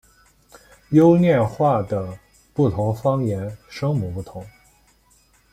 优念话的不同方言声母不同。